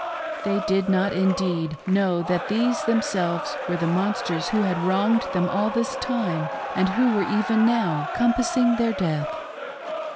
They did not, indeed, know that these themselves were the monsters who had wronged them all this time and who were even now compassing their death.